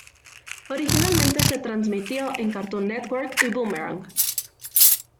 Originalmente se transmitió en Cartoon Network y Boomerang.